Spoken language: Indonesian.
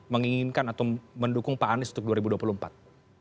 menginginkan atau mendukung pak anies untuk dua ribu dua puluh empat